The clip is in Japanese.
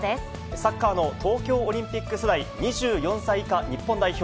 サッカーの東京オリンピック世代、２４歳以下日本代表。